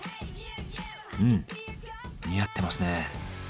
うん似合ってますね。